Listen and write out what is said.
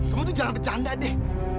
kamu tuh jangan bercanda deh